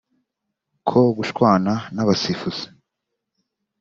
ko gushwana n’abasifuzi